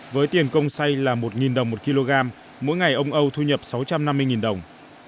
với tiền công say là một đồng một kg mỗi ngày ông âu thu nhập sáu trăm năm mươi đồng